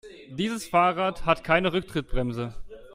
Dieses Fahrrad hat keine Rücktrittbremse.